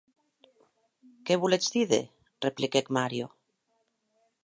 Qué voletz díder?, repliquèc Mario.